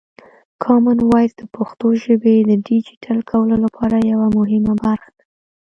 کامن وایس د پښتو ژبې د ډیجیټل کولو لپاره یوه مهمه برخه ده.